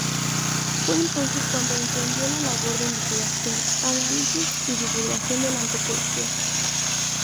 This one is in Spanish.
Fue entonces cuando emprendió la labor de investigación, análisis y divulgación de la antropología.